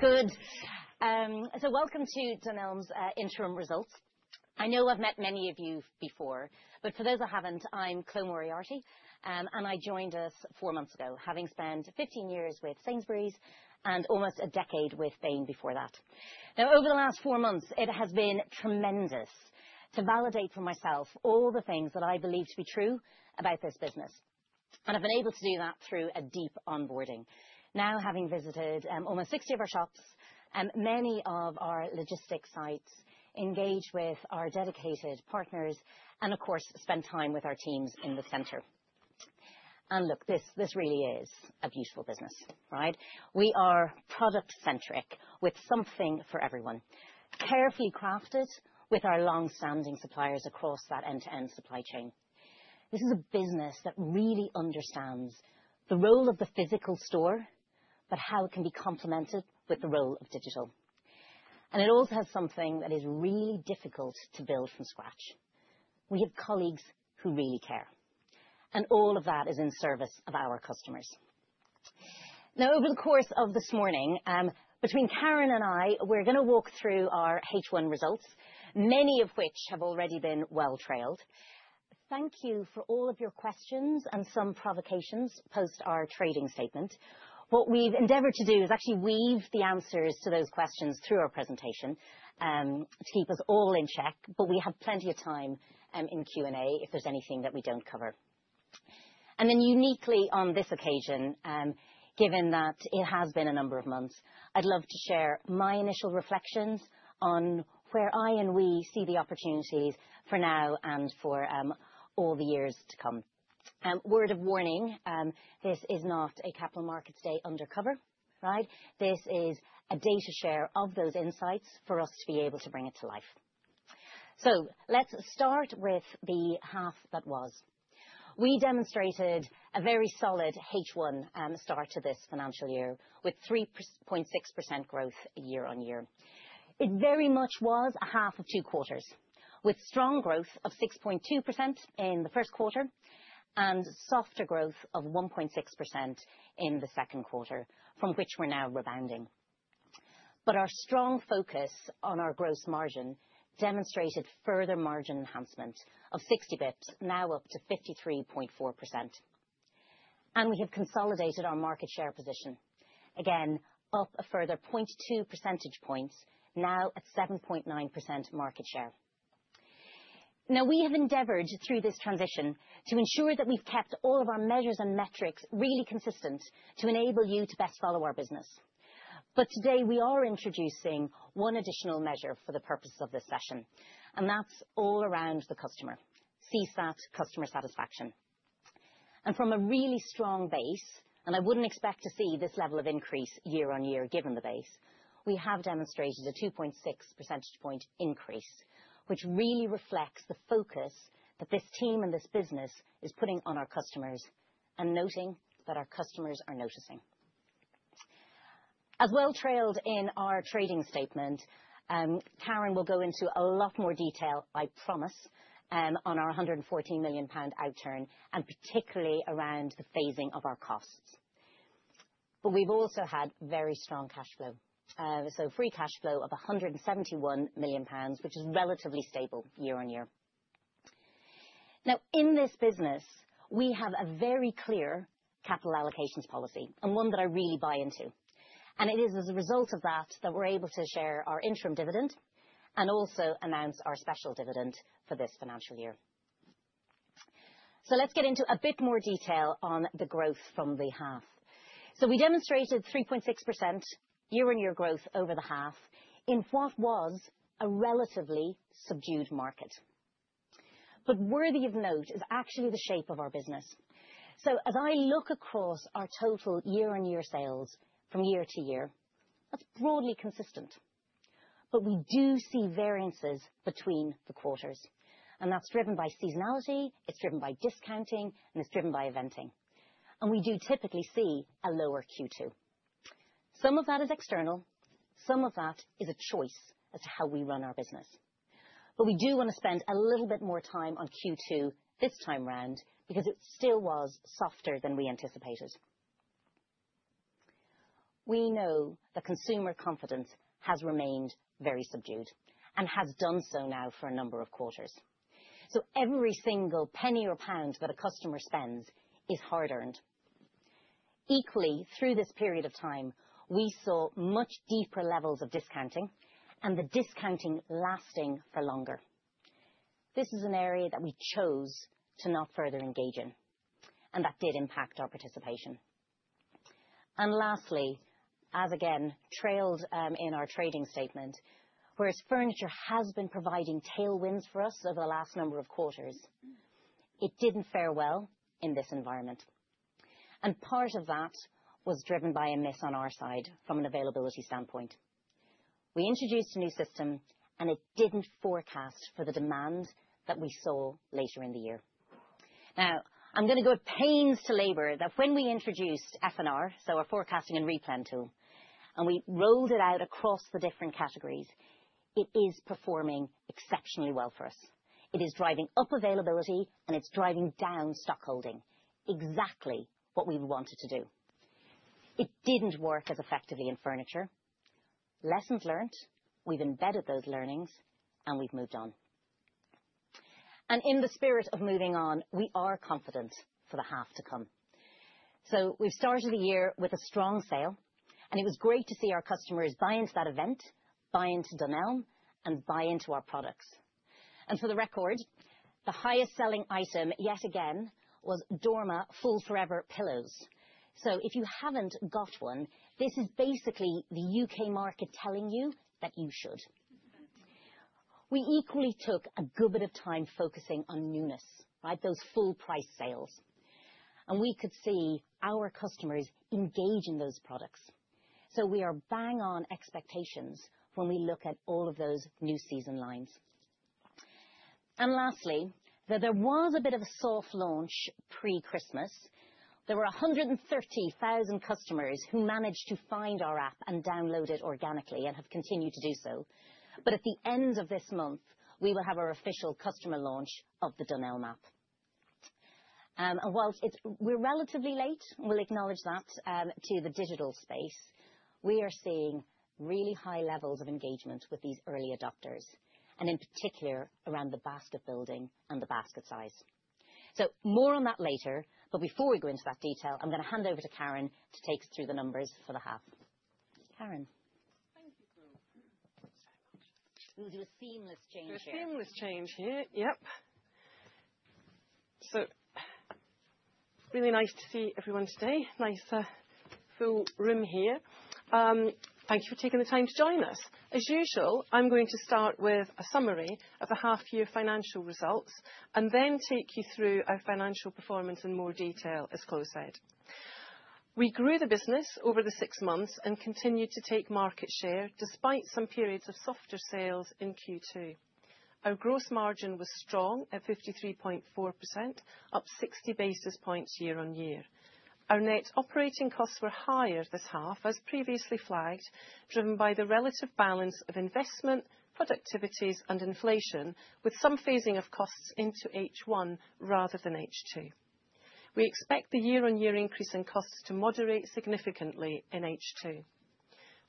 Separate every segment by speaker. Speaker 1: Good. So welcome to Dunelm's interim results. I know I've met many of you before, but for those that haven't, I'm Clodagh Moriarty, and I joined us four months ago, having spent 15 years with Sainsbury's and almost a decade with Bain before that. Now, over the last four months, it has been tremendous to validate for myself all the things that I believe to be true about this business, and I've been able to do that through a deep onboarding. Now, having visited almost 60 of our shops, many of our logistics sites, engaged with our dedicated partners, and of course spent time with our teams in the center. And look, this, this really is a beautiful business, right? We are product-centric with something for everyone, carefully crafted with our long-standing suppliers across that end-to-end supply chain. This is a business that really understands the role of the physical store but how it can be complemented with the role of digital. It also has something that is really difficult to build from scratch. We have colleagues who really care, and all of that is in service of our customers. Now, over the course of this morning, between Karen and I, we're going to walk through our H1 results, many of which have already been well-trailed. Thank you for all of your questions and some provocations post our trading statement. What we've endeavored to do is actually weave the answers to those questions through our presentation, to keep us all in check, but we have plenty of time, in Q&A if there's anything that we don't cover. And then uniquely on this occasion, given that it has been a number of months, I'd love to share my initial reflections on where I and we see the opportunities for now and for all the years to come. Word of warning, this is not a Capital Markets Day undercover, right? This is a data share of those insights for us to be able to bring it to life. So let's start with the half that was. We demonstrated a very solid H1 start to this financial year with 3.6% growth year-on-year. It very much was a half of two quarters, with strong growth of 6.2% in the first quarter and softer growth of 1.6% in the second quarter, from which we're now rebounding. But our strong focus on our gross margin demonstrated further margin enhancement of 60 basis points, now up to 53.4%. We have consolidated our market share position, again, up a further 0.2 percentage points, now at 7.9% market share. Now, we have endeavored through this transition to ensure that we've kept all of our measures and metrics really consistent to enable you to best follow our business. Today we are introducing one additional measure for the purposes of this session, and that's all around the customer, CSAT, customer satisfaction. From a really strong base, and I wouldn't expect to see this level of increase year-on-year given the base, we have demonstrated a 2.6 percentage point increase, which really reflects the focus that this team and this business is putting on our customers and noting that our customers are noticing. As well-trailed in our trading statement, Karen will go into a lot more detail, I promise, on our 114 million pound outturn and particularly around the phasing of our costs. But we've also had very strong cash flow, so free cash flow of 171 million pounds, which is relatively stable year-on-year. Now, in this business, we have a very clear capital allocations policy and one that I really buy into. And it is as a result of that that we're able to share our interim dividend and also announce our special dividend for this financial year. So let's get into a bit more detail on the growth from the half. So we demonstrated 3.6% year-on-year growth over the half in what was a relatively subdued market. But worthy of note is actually the shape of our business. As I look across our total year-over-year sales from year-to-year, that's broadly consistent. We do see variances between the quarters, and that's driven by seasonality, it's driven by discounting, and it's driven by eventing. We do typically see a lower Q2. Some of that is external, some of that is a choice as to how we run our business. We do want to spend a little bit more time on Q2 this time round because it still was softer than we anticipated. We know that consumer confidence has remained very subdued and has done so now for a number of quarters. Every single penny or pound that a customer spends is hard-earned. Equally, through this period of time, we saw much deeper levels of discounting and the discounting lasting for longer. This is an area that we chose to not further engage in, and that did impact our participation. And lastly, as again trailed, in our trading statement, whereas furniture has been providing tailwinds for us over the last number of quarters, it didn't fare well in this environment. And part of that was driven by a miss on our side from an availability standpoint. We introduced a new system, and it didn't forecast for the demand that we saw later in the year. Now, I'm going to go at pains to labor that when we introduced F&R, so our forecasting and replen tool, and we rolled it out across the different categories, it is performing exceptionally well for us. It is driving up availability, and it's driving down stockholding, exactly what we wanted to do. It didn't work as effectively in furniture. Lessons learned. We've embedded those learnings, and we've moved on. And in the spirit of moving on, we are confident for the half to come. So we've started the year with a strong sale, and it was great to see our customers buy into that event, buy into Dunelm, and buy into our products. And for the record, the highest-selling item yet again was Dorma Full Forever pillows. So if you haven't got one, this is basically the U.K. market telling you that you should. We equally took a good bit of time focusing on newness, right, those full-price sales. And we could see our customers engage in those products. So we are bang-on expectations when we look at all of those new season lines. And lastly, there was a bit of a soft launch pre-Christmas. There were 130,000 customers who managed to find our app and download it organically and have continued to do so. But at the end of this month, we will have our official customer launch of the Dunelm app. And while it's, we're relatively late, we'll acknowledge that, to the digital space, we are seeing really high levels of engagement with these early adopters, and in particular around the basket building and the basket size. So more on that later, but before we go into that detail, I'm going to hand over to Karen to take us through the numbers for the half. Karen? We'll do a seamless change here.
Speaker 2: We'll do a seamless change here, yep. So really nice to see everyone today, nice, full room here. Thank you for taking the time to join us. As usual, I'm going to start with a summary of the half-year financial results and then take you through our financial performance in more detail, as Clo said. We grew the business over the six months and continued to take market share despite some periods of softer sales in Q2. Our gross margin was strong at 53.4%, up 60 basis points year-on-year. Our net operating costs were higher this half, as previously flagged, driven by the relative balance of investment, productivities, and inflation, with some phasing of costs into H1 rather than H2. We expect the year-on-year increase in costs to moderate significantly in H2.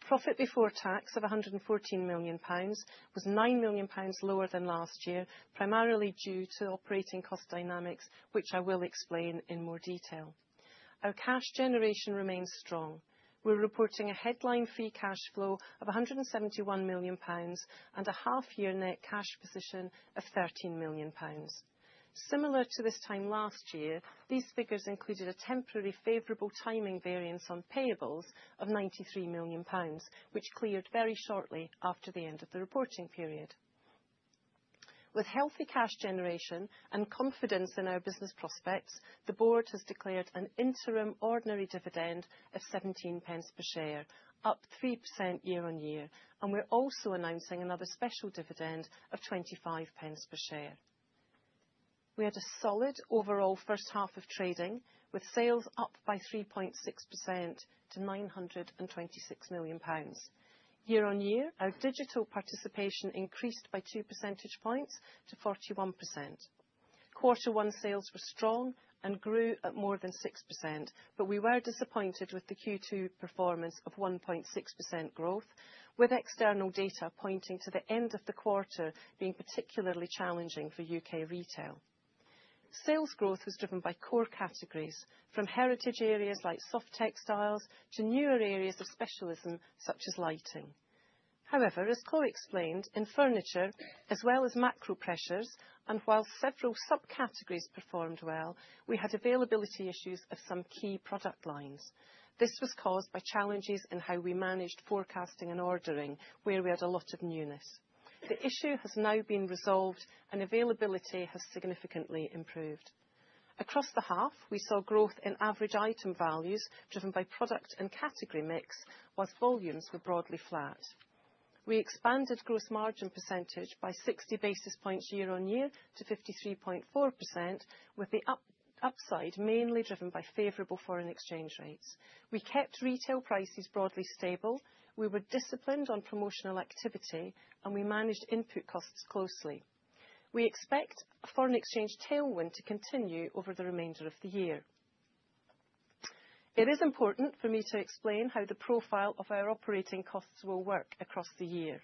Speaker 2: Profit before tax of 114 million pounds was 9 million pounds lower than last year, primarily due to operating cost dynamics, which I will explain in more detail. Our cash generation remains strong. We're reporting a headline free cash flow of 171 million pounds and a half-year net cash position of 13 million pounds. Similar to this time last year, these figures included a temporary favorable timing variance on payables of 93 million pounds, which cleared very shortly after the end of the reporting period. With healthy cash generation and confidence in our business prospects, the board has declared an interim ordinary dividend of 0.17 per share, up 3% year-on-year, and we're also announcing another special dividend of 0.25 per share. We had a solid overall first half of trading, with sales up by 3.6% to 926 million pounds. Year-on-year, our digital participation increased by 2 percentage points to 41%. Quarter one sales were strong and grew at more than 6%, but we were disappointed with the Q2 performance of 1.6% growth, with external data pointing to the end of the quarter being particularly challenging for U.K. retail. Sales growth was driven by core categories, from heritage areas like soft textiles to newer areas of specialism such as lighting. However, as Clo explained, in furniture, as well as macro pressures, and while several subcategories performed well, we had availability issues of some key product lines. This was caused by challenges in how we managed forecasting and ordering, where we had a lot of newness. The issue has now been resolved, and availability has significantly improved. Across the half, we saw growth in average item values driven by product and category mix, while volumes were broadly flat. We expanded gross margin percentage by 60 basis points year-over-year to 53.4%, with the upside mainly driven by favorable foreign exchange rates. We kept retail prices broadly stable, we were disciplined on promotional activity, and we managed input costs closely. We expect foreign exchange tailwind to continue over the remainder of the year. It is important for me to explain how the profile of our operating costs will work across the year.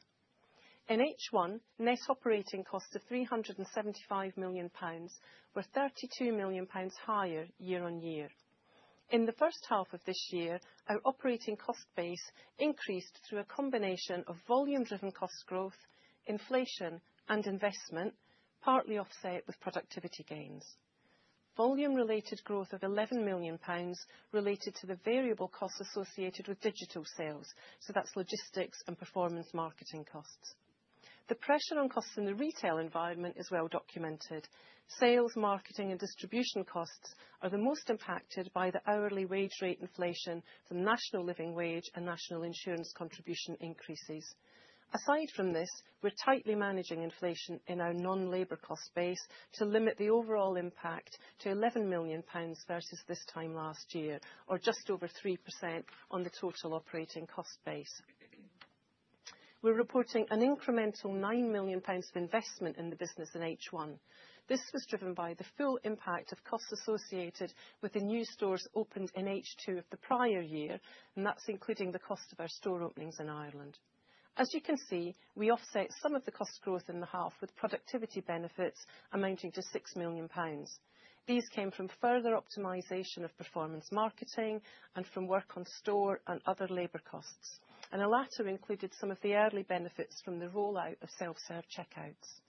Speaker 2: In H1, net operating costs of 375 million pounds were 32 million pounds higher year-on-year. In the first half of this year, our operating cost base increased through a combination of volume-driven cost growth, inflation, and investment, partly offset with productivity gains. Volume-related growth of 11 million pounds related to the variable costs associated with digital sales, so that's logistics and performance marketing costs. The pressure on costs in the retail environment is well-documented. Sales, marketing, and distribution costs are the most impacted by the hourly wage rate inflation from National Living Wage and National Insurance contribution increases. Aside from this, we're tightly managing inflation in our non-labor cost base to limit the overall impact to 11 million pounds versus this time last year, or just over 3% on the total operating cost base. We're reporting an incremental 9 million pounds of investment in the business in H1. This was driven by the full impact of costs associated with the new stores opened in H2 of the prior year, and that's including the cost of our store openings in Ireland. As you can see, we offset some of the cost growth in the half with productivity benefits amounting to 6 million pounds. These came from further optimization of performance marketing and from work on store and other labor costs, and the latter included some of the early benefits from the rollout of self-serve checkouts.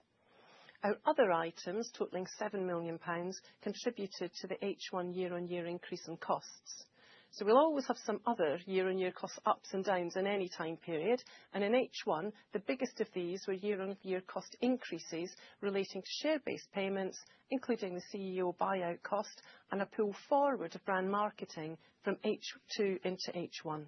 Speaker 2: Our other items, totaling 7 million pounds, contributed to the H1 year-on-year increase in costs. So we'll always have some other year-on-year cost ups and downs in any time period, and in H1, the biggest of these were year-on-year cost increases relating to share-based payments, including the CEO buyout cost and a pull forward of brand marketing from H2 into H1.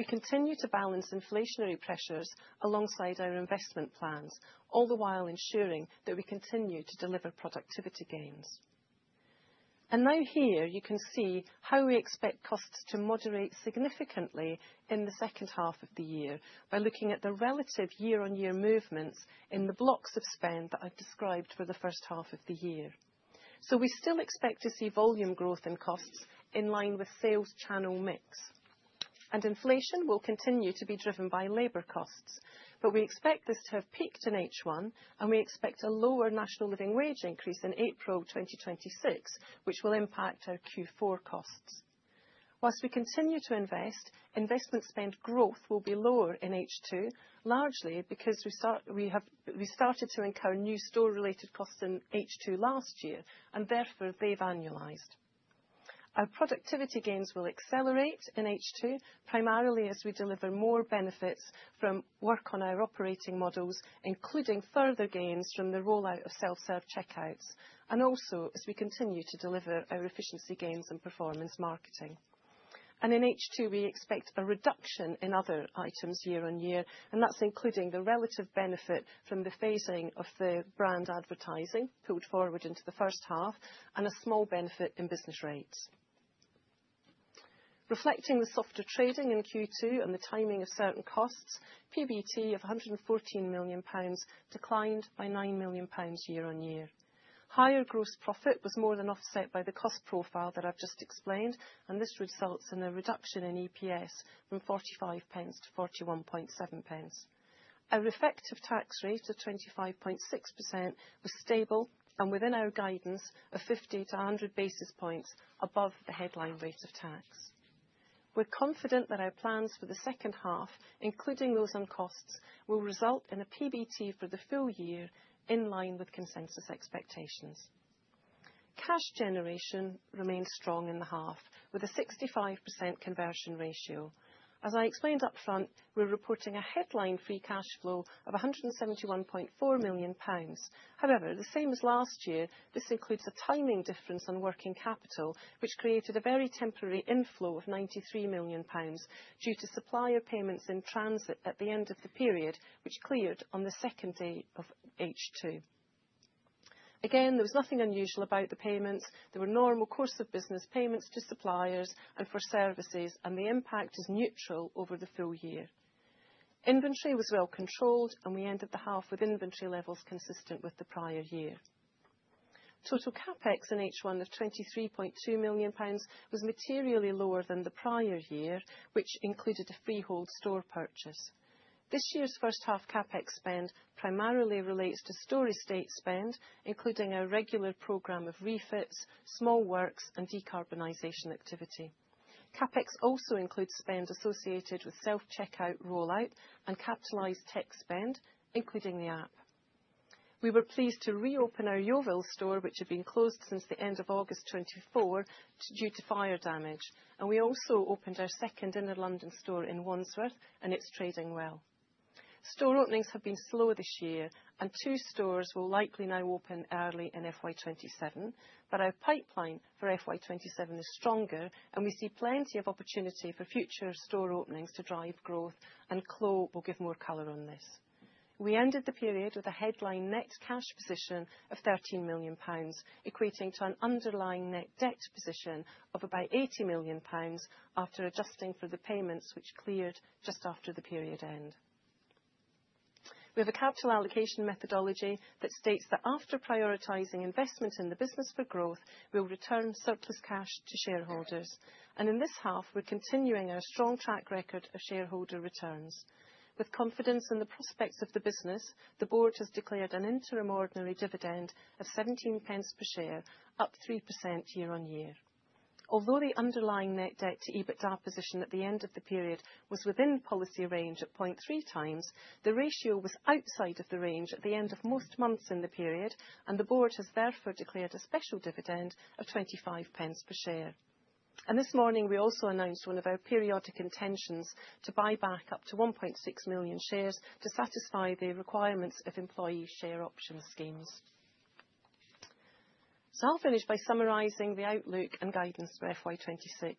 Speaker 2: We continue to balance inflationary pressures alongside our investment plans, all the while ensuring that we continue to deliver productivity gains. Now here you can see how we expect costs to moderate significantly in the second half of the year by looking at the relative year-on-year movements in the blocks of spend that I've described for the first half of the year. We still expect to see volume growth in costs in line with sales channel mix. Inflation will continue to be driven by labor costs, but we expect this to have peaked in H1, and we expect a lower national living wage increase in April 2026, which will impact our Q4 costs. While we continue to invest, investment spend growth will be lower in H2, largely because we started to incur new store-related costs in H2 last year, and therefore they've annualized. Our productivity gains will accelerate in H2, primarily as we deliver more benefits from work on our operating models, including further gains from the rollout of self-serve checkouts, and also as we continue to deliver our efficiency gains in performance marketing. In H2, we expect a reduction in other items year-on-year, and that's including the relative benefit from the phasing of the brand advertising pulled forward into the first half and a small benefit in business rates. Reflecting the softer trading in Q2 and the timing of certain costs, PBT of GBP 114 million declined by GBP 9 million year-on-year. Higher gross profit was more than offset by the cost profile that I've just explained, and this results in a reduction in EPS from 0.45-0.41. Our effective tax rate of 25.6% was stable and within our guidance, 50 basis points-100 basis points above the headline rate of tax. We're confident that our plans for the second half, including those on costs, will result in a PBT for the full year in line with consensus expectations. Cash generation remained strong in the half with a 65% conversion ratio. As I explained upfront, we're reporting a headline free cash flow of 171.4 million pounds. However, the same as last year, this includes a timing difference on working capital, which created a very temporary inflow of 93 million pounds due to supplier payments in transit at the end of the period, which cleared on the second day of H2. Again, there was nothing unusual about the payments. There were normal course-of-business payments to suppliers and for services, and the impact is neutral over the full year. Inventory was well-controlled, and we ended the half with inventory levels consistent with the prior year. Total CapEx in H1 of 23.2 million pounds was materially lower than the prior year, which included a freehold store purchase. This year's first half CapEx spend primarily relates to store estate spend, including our regular program of refits, small works, and decarbonization activity. CapEx also includes spend associated with self-checkout rollout and capitalized tech spend, including the app. We were pleased to reopen our Yeovil store, which had been closed since the end of August 2024 due to fire damage, and we also opened our second inner London store in Wandsworth, and it's trading well. Store openings have been slow this year, and two stores will likely now open early in FY 2027, but our pipeline for FY 2027 is stronger, and we see plenty of opportunity for future store openings to drive growth, and Clo will give more color on this. We ended the period with a headline net cash position of 13 million pounds, equating to an underlying net debt position of about 80 million pounds after adjusting for the payments, which cleared just after the period end. We have a capital allocation methodology that states that after prioritizing investment in the business for growth, we'll return surplus cash to shareholders. In this half, we're continuing our strong track record of shareholder returns. With confidence in the prospects of the business, the board has declared an interim ordinary dividend of 0.17 per share, up 3% year-on-year. Although the underlying net debt-to-EBITDA position at the end of the period was within policy range at 0.3x, the ratio was outside of the range at the end of most months in the period, and the board has therefore declared a special dividend of 0.25 per share. This morning, we also announced one of our periodic intentions to buy back up to 1.6 million shares to satisfy the requirements of employee share options schemes. I'll finish by summarizing the outlook and guidance for FY 2026.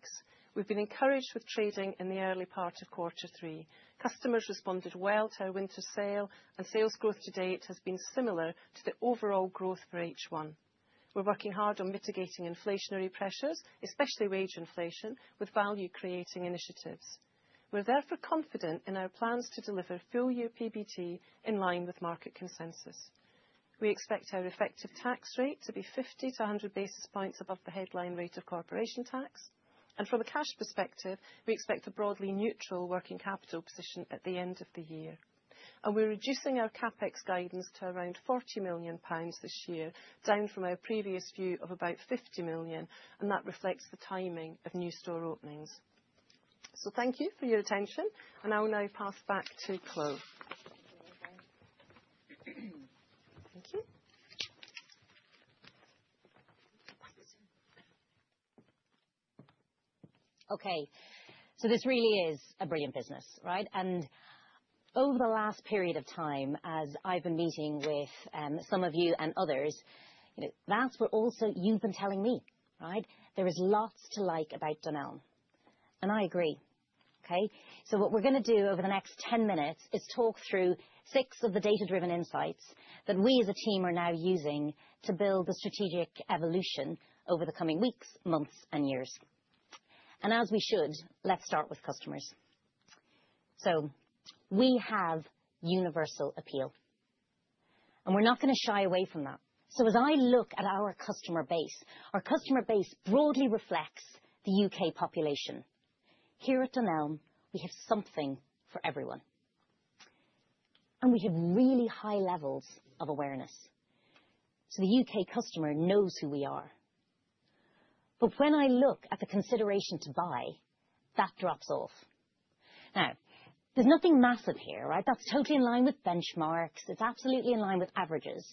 Speaker 2: We've been encouraged with trading in the early part of quarter three. Customers responded well to our winter sale, and sales growth to date has been similar to the overall growth for H1. We're working hard on mitigating inflationary pressures, especially wage inflation, with value-creating initiatives. We're therefore confident in our plans to deliver full-year PBT in line with market consensus. We expect our effective tax rate to be 50 basis points-100 basis points above the headline rate of corporation tax, and from a cash perspective, we expect a broadly neutral working capital position at the end of the year. We're reducing our CapEx guidance to around 40 million pounds this year, down from our previous view of about 50 million, and that reflects the timing of new store openings. So thank you for your attention, and I'll now pass back to Clo.
Speaker 1: Thank you. Okay. So this really is a brilliant business, right? Over the last period of time, as I've been meeting with some of you and others, you know, that's what also you've been telling me, right? There is lots to like about Dunelm, and I agree, okay? So what we're gonna do over the next 10 minutes is talk through six of the data-driven insights that we, as a team, are now using to build the strategic evolution over the coming weeks, months, and years. And as we should, let's start with customers. So we have universal appeal, and we're not gonna shy away from that. So as I look at our customer base, our customer base broadly reflects the U.K. population. Here at Dunelm, we have something for everyone, and we have really high levels of awareness. So the U.K. customer knows who we are. But when I look at the consideration to buy, that drops off. Now, there's nothing massive here, right? That's totally in line with benchmarks. It's absolutely in line with averages.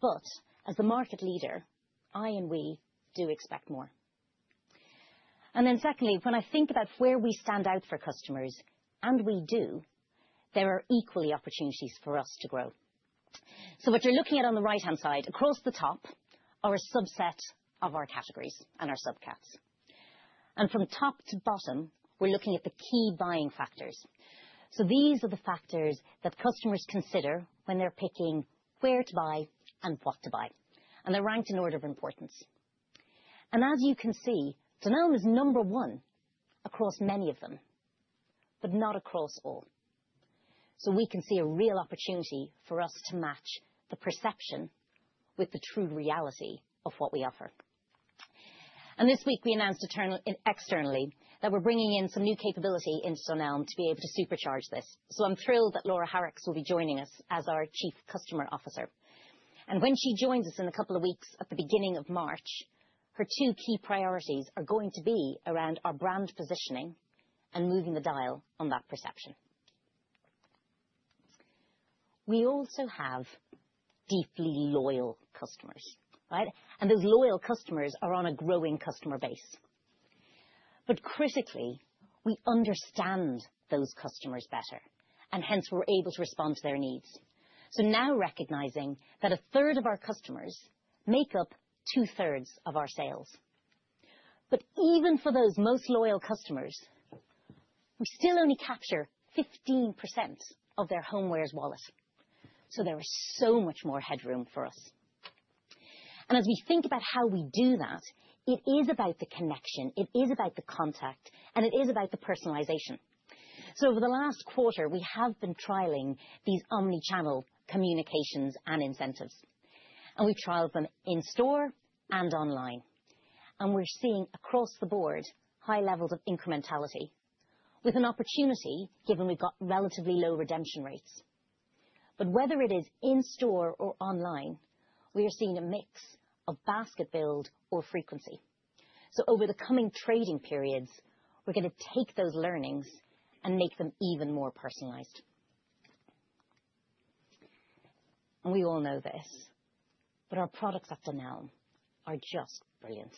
Speaker 1: But as the market leader, I and we do expect more. And then secondly, when I think about where we stand out for customers, and we do, there are equally opportunities for us to grow. So what you're looking at on the right-hand side, across the top, are a subset of our categories and our subcats. And from top to bottom, we're looking at the key buying factors. So these are the factors that customers consider when they're picking where to buy and what to buy, and they're ranked in order of importance. And as you can see, Dunelm is number one across many of them, but not across all. So we can see a real opportunity for us to match the perception with the true reality of what we offer. And this week, we announced externally that we're bringing in some new capability into Dunelm to be able to supercharge this. So I'm thrilled that Laura Harricks will be joining us as our Chief Customer Officer. And when she joins us in a couple of weeks at the beginning of March, her two key priorities are going to be around our brand positioning and moving the dial on that perception. We also have deeply loyal customers, right? And those loyal customers are on a growing customer base. But critically, we understand those customers better, and hence we're able to respond to their needs. So now recognizing that 1/3 of our customers make up 2/3 of our sales. But even for those most loyal customers, we still only capture 15% of their homewares wallet. So there is so much more headroom for us. And as we think about how we do that, it is about the connection. It is about the contact, and it is about the personalization. So over the last quarter, we have been trialing these omnichannel communications and incentives, and we've trialed them in store and online. And we're seeing across the board high levels of incrementality, with an opportunity given we've got relatively low redemption rates. But whether it is in store or online, we are seeing a mix of basket build or frequency. So over the coming trading periods, we're gonna take those learnings and make them even more personalized. And we all know this, but our products at Dunelm are just brilliant.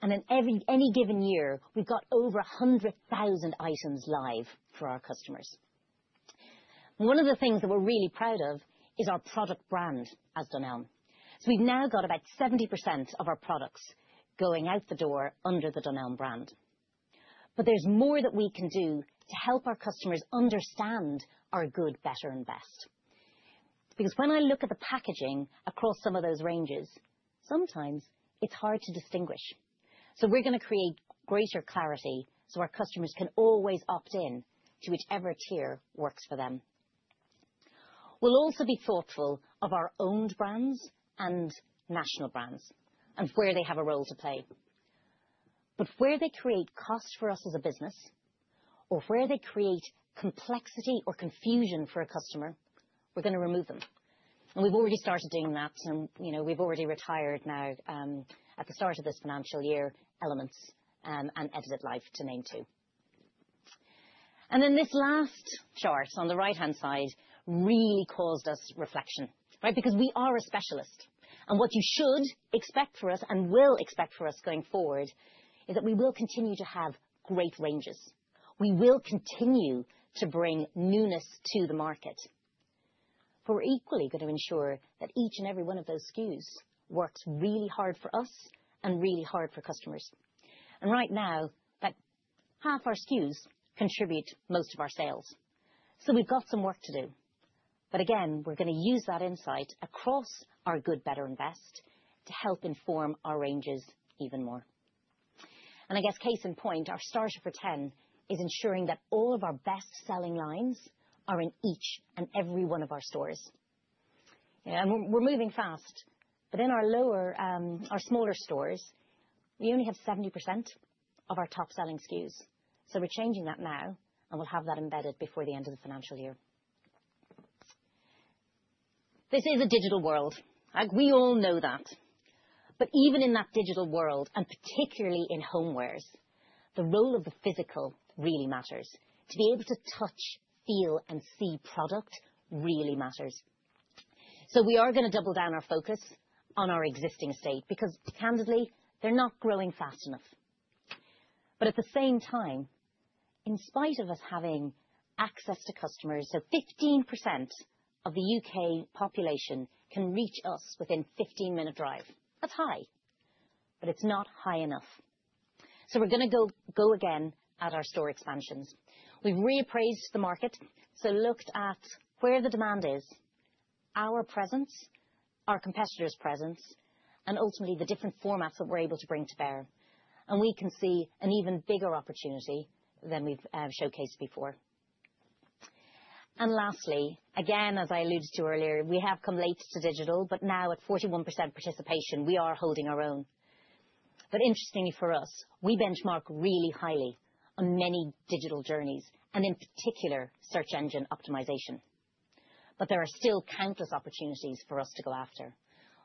Speaker 1: And in any given year, we've got over 100,000 items live for our customers. One of the things that we're really proud of is our product brand as Dunelm, so we've now got about 70% of our products going out the door under the Dunelm brand. But there's more that we can do to help our customers understand our good better and best. Because when I look at the packaging across some of those ranges, sometimes it's hard to distinguish. So we're gonna create greater clarity so our customers can always opt in to whichever tier works for them. We'll also be thoughtful of our owned brands and national brands and where they have a role to play. But where they create cost for us as a business or where they create complexity or confusion for a customer, we're gonna remove them. And we've already started doing that, and, you know, we've already retired now, at the start of this financial year, Elements and Edited Life to name two. And then this last chart on the right-hand side really caused us reflection, right? Because we are a specialist, and what you should expect for us and will expect for us going forward is that we will continue to have great ranges. We will continue to bring newness to the market. But we're equally gonna ensure that each and every one of those SKUs works really hard for us and really hard for customers. And right now, about half our SKUs contribute most of our sales. So we've got some work to do. But again, we're gonna use that insight across our good, better, and best to help inform our ranges even more. And I guess case in point, our starter for 10 is ensuring that all of our best-selling lines are in each and every one of our stores. You know, and we're moving fast, but in our lower, our smaller stores, we only have 70% of our top-selling SKUs. We're changing that now, and we'll have that embedded before the end of the financial year. This is a digital world, right? We all know that. But even in that digital world, and particularly in homewares, the role of the physical really matters. To be able to touch, feel, and see product really matters. So we are gonna double down our focus on our existing estate because, candidly, they're not growing fast enough. But at the same time, in spite of us having access to customers, so 15% of the U.K. population can reach us within a 15-minute drive. That's high, but it's not high enough. So we're gonna go, go again at our store expansions. We've reappraised the market, so looked at where the demand is, our presence, our competitors' presence, and ultimately the different formats that we're able to bring to bear. We can see an even bigger opportunity than we've showcased before. Lastly, again, as I alluded to earlier, we have come late to digital, but now at 41% participation, we are holding our own. Interestingly for us, we benchmark really highly on many digital journeys, and in particular, search engine optimization. There are still countless opportunities for us to go after,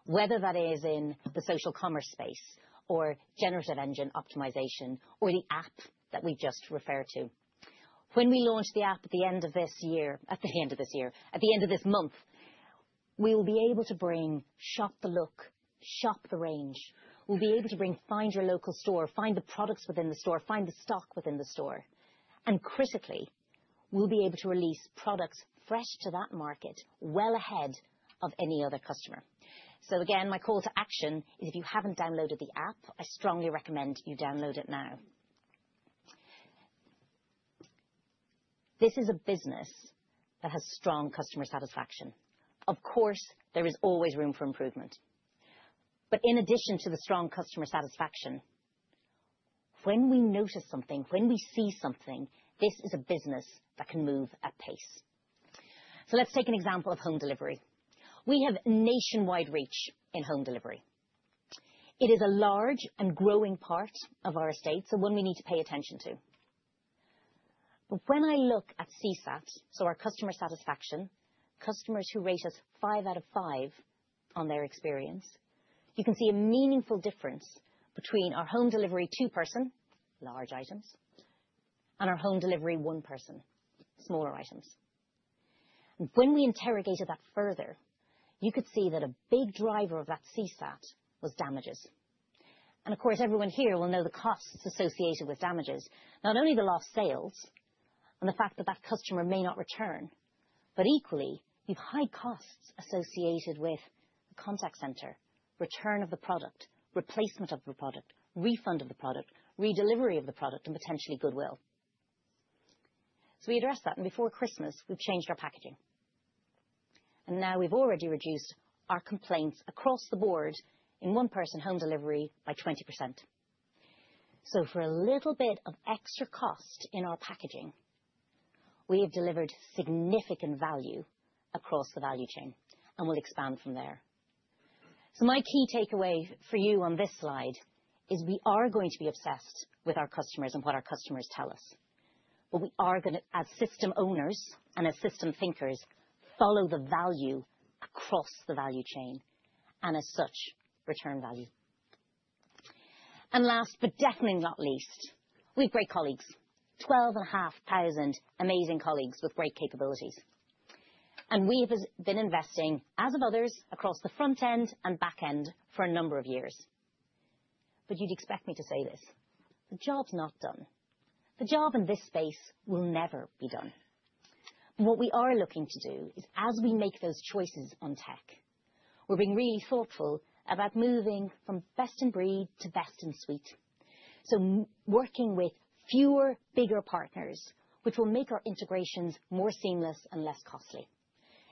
Speaker 1: whether that is in the social commerce space or generative engine optimization or the app that we just referred to. When we launch the app at the end of this year at the end of this year, at the end of this month, we'll be able to bring Shop the Look, Shop the Range. We'll be able to bring find your local store, find the products within the store, find the stock within the store. Critically, we'll be able to release products fresh to that market well ahead of any other customer. So again, my call to action is if you haven't downloaded the app, I strongly recommend you download it now. This is a business that has strong customer satisfaction. Of course, there is always room for improvement. But in addition to the strong customer satisfaction, when we notice something, when we see something, this is a business that can move at pace. So let's take an example of home delivery. We have nationwide reach in home delivery. It is a large and growing part of our estate, so one we need to pay attention to. But when I look at CSAT, so our customer satisfaction, customers who rate us 5 out of 5 on their experience, you can see a meaningful difference between our home delivery two-person, large items, and our home delivery one-person, smaller items. And when we interrogated that further, you could see that a big driver of that CSAT was damages. And of course, everyone here will know the costs associated with damages, not only the lost sales and the fact that that customer may not return, but equally, you've high costs associated with the contact center, return of the product, replacement of the product, refund of the product, redelivery of the product, and potentially goodwill. So we addressed that, and before Christmas, we've changed our packaging. And now we've already reduced our complaints across the board in one-person home delivery by 20%. So for a little bit of extra cost in our packaging, we have delivered significant value across the value chain, and we'll expand from there. So my key takeaway for you on this slide is we are going to be obsessed with our customers and what our customers tell us. But we are gonna, as system owners and as system thinkers, follow the value across the value chain and, as such, return value. And last but definitely not least, we have great colleagues, 12,500 amazing colleagues with great capabilities. And we have been investing, as have others, across the front end and back end for a number of years. But you'd expect me to say this: the job's not done. The job in this space will never be done. But what we are looking to do is, as we make those choices on tech, we're being really thoughtful about moving from best in breed to best in suite, so working with fewer, bigger partners, which will make our integrations more seamless and less costly.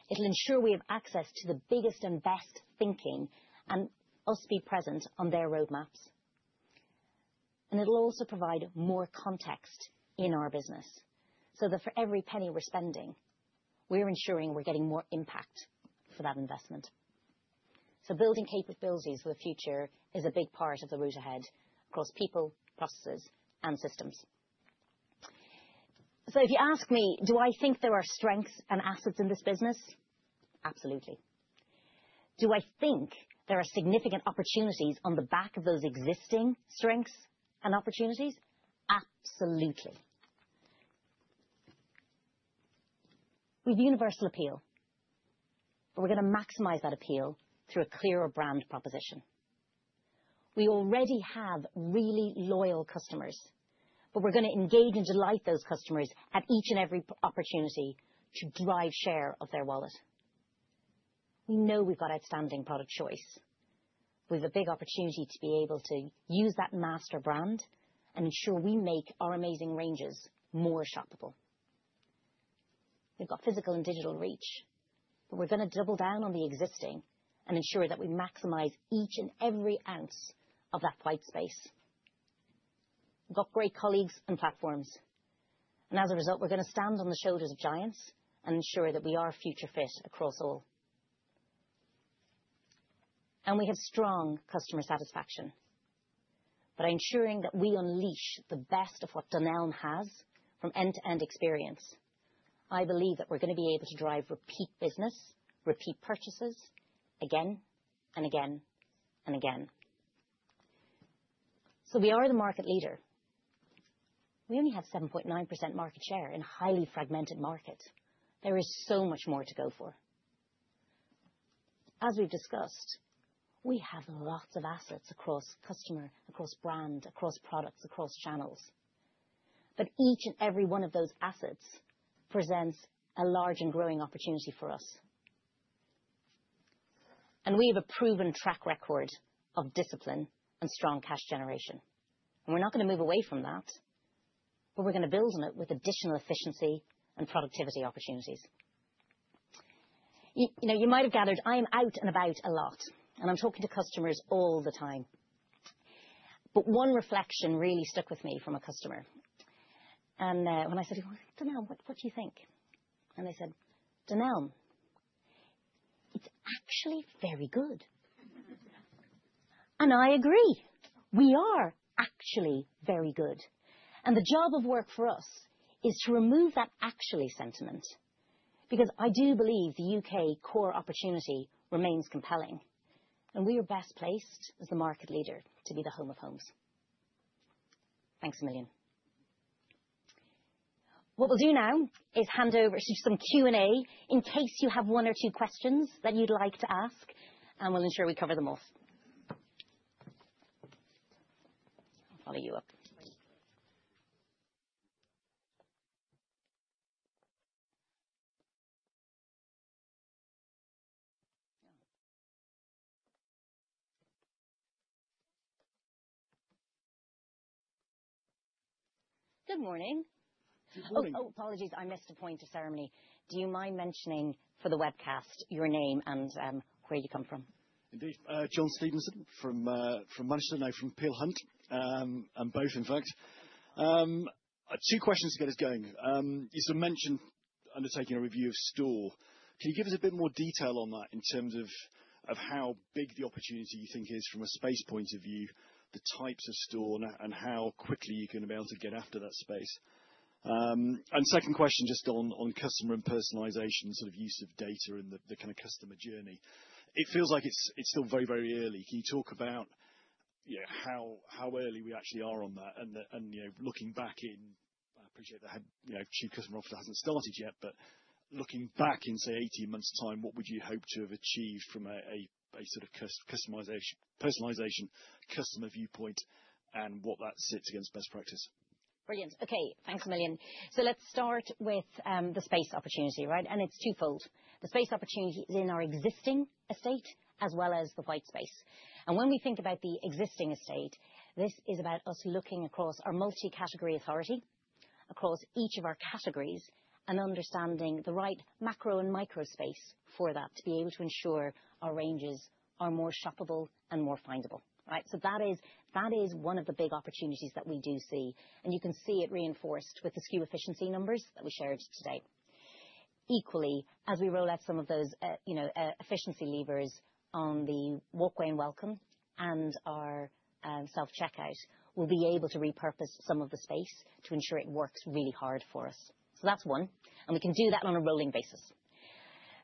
Speaker 1: It'll ensure we have access to the biggest and best thinking and us be present on their roadmaps. And it'll also provide more context in our business so that for every penny we're spending, we're ensuring we're getting more impact for that investment. So building capabilities for the future is a big part of the route ahead across people, processes, and systems. So if you ask me, do I think there are strengths and assets in this business? Absolutely. Do I think there are significant opportunities on the back of those existing strengths and opportunities? Absolutely. We have universal appeal, but we're gonna maximize that appeal through a clearer brand proposition. We already have really loyal customers, but we're gonna engage and delight those customers at each and every opportunity to drive share of their wallet. We know we've got outstanding product choice. We have a big opportunity to be able to use that master brand and ensure we make our amazing ranges more shoppable. We've got physical and digital reach, but we're gonna double down on the existing and ensure that we maximize each and every ounce of that white space. We've got great colleagues and platforms. And as a result, we're gonna stand on the shoulders of giants and ensure that we are future-fit across all. And we have strong customer satisfaction. But ensuring that we unleash the best of what Dunelm has from end-to-end experience, I believe that we're gonna be able to drive repeat business, repeat purchases again and again and again. So we are the market leader. We only have 7.9% market share in a highly fragmented market. There is so much more to go for. As we've discussed, we have lots of assets across customer, across brand, across products, across channels. But each and every one of those assets presents a large and growing opportunity for us. And we have a proven track record of discipline and strong cash generation. And we're not gonna move away from that, but we're gonna build on it with additional efficiency and productivity opportunities. You, you know, you might have gathered, I am out and about a lot, and I'm talking to customers all the time. But one reflection really stuck with me from a customer. When I said to him, "Well, Dunelm, what, what do you think?" They said, "Dunelm, it's actually very good." I agree. We are actually very good. The job of work for us is to remove that actually sentiment because I do believe the U.K. core opportunity remains compelling, and we are best placed as the market leader to be the home of homes. Thanks a million. What we'll do now is hand over to some Q&A in case you have one or two questions that you'd like to ask, and we'll ensure we cover them all. I'll follow you up. Good morning. Oh, oh, apologies, I missed a point of ceremony. Do you mind mentioning for the webcast your name and where you come from?
Speaker 3: Indeed. John Stevenson from Manchester, now from Peel Hunt, and both, in fact, two questions to get us going. You sort of mentioned undertaking a review of store. Can you give us a bit more detail on that in terms of how big the opportunity you think is from a space point of view, the types of store, and how quickly you're gonna be able to get after that space? And second question just on customer and personalization, sort of use of data in the kind of customer journey. It feels like it's still very, very early. Can you talk about, you know, how early we actually are on that and, you know, looking back, I appreciate the head, you know, Chief Customer Officer hasn't started yet, but looking back in, say, 18 months' time, what would you hope to have achieved from a sort of customization, personalization, customer viewpoint, and what that sits against best practice?
Speaker 1: Brilliant. Okay. Thanks a million. So let's start with the space opportunity, right? And it's twofold. The space opportunity is in our existing estate as well as the white space. And when we think about the existing estate, this is about us looking across our multi-category authority, across each of our categories, and understanding the right macro and micro space for that to be able to ensure our ranges are more shoppable and more findable, right? So that is one of the big opportunities that we do see. And you can see it reinforced with the SKU efficiency numbers that we shared today. Equally, as we roll out some of those, you know, efficiency levers on the walkway and welcome and our self-checkout, we'll be able to repurpose some of the space to ensure it works really hard for us. So that's one. And we can do that on a rolling basis.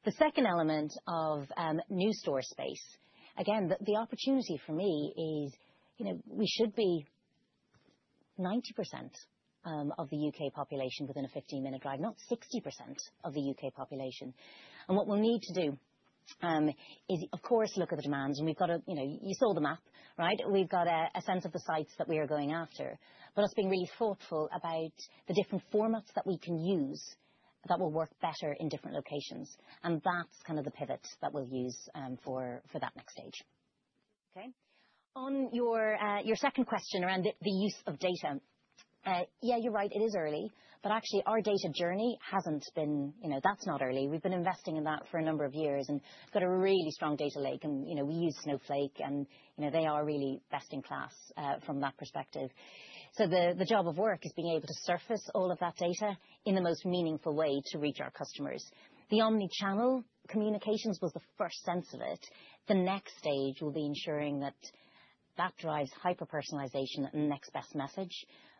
Speaker 1: The second element of new store space, again, the opportunity for me is, you know, we should be 90% of the U.K. population within a 15-minute drive, not 60% of the U.K. population. And what we'll need to do is, of course, look at the demands. And we've got a you know, you saw the map, right? We've got a sense of the sites that we are going after, but us being really thoughtful about the different formats that we can use that will work better in different locations. And that's kind of the pivot that we'll use for that next stage. Okay? On your second question around the use of data, yeah, you're right. It is early. But actually, our data journey hasn't been you know, that's not early. We've been investing in that for a number of years and got a really strong data lake. And, you know, we use Snowflake, and, you know, they are really best in class, from that perspective. So the, the job of work is being able to surface all of that data in the most meaningful way to reach our customers. The omnichannel communications was the first sense of it. The next stage will be ensuring that that drives hyper-personalization and the next best message.